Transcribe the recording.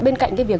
bên cạnh cái việc